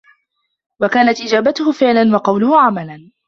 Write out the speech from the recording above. وَكَانَتْ إجَابَتُهُ فِعْلًا ، وَقَوْلُهُ عَمَلًا